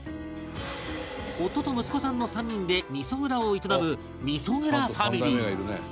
夫と息子さんの３人で味蔵を営む味蔵ファミリー